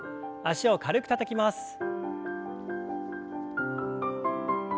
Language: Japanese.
脚を軽くたたきます。